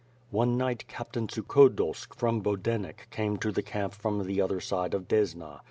One night, Captain Sukhodolsk from Bodenek came to the camp from the other side of Desna.